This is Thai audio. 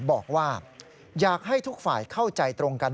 บอกว่าอยากให้ทุกฝ่ายเข้าใจตรงกัน